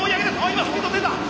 今スピード出た！